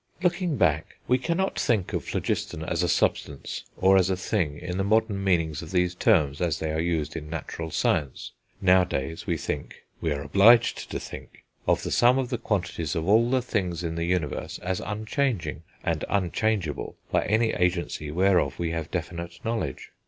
Looking back, we cannot think of phlogiston as a substance, or as a thing, in the modern meanings of these terms as they are used in natural science. Nowadays we think, we are obliged to think, of the sum of the quantities of all the things in the universe as unchanging, and unchangeable by any agency whereof we have definite knowledge.